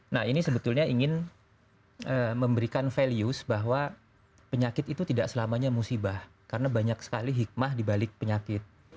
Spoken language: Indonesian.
nah ini sebetulnya ingin memberikan values bahwa penyakit itu tidak selamanya musibah karena banyak sekali hikmah dibalik penyakit